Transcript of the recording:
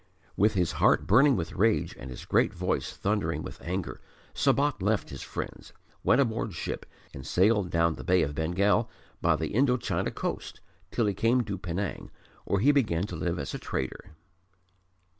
With his heart burning with rage and his great voice thundering with anger, Sabat left his friends, went aboard ship and sailed down the Bay of Bengal by the Indo Chinese coast till he came to Penang, where he began to live as a trader.